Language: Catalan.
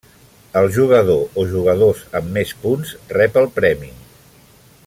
El jugador o jugadors amb més punts rep el premi.